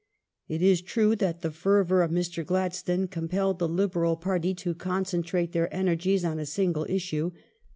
It is true that the fervour of Mr. Gladstone compelled the Liberal Party to concentrate their energies on a single issue.